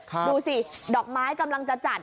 ดูสิดอกไม้กำลังจะจัด